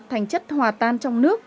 thành chất hòa tan trong nước